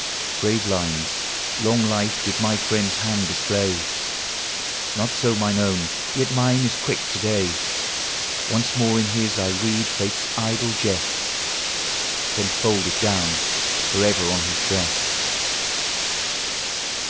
in. Brave lines, long life, did my friend's hand display. Not so mine own ; yet mine is quick to day. Once more in his I read Fate's idle jest, Then fold it down forever on his breast.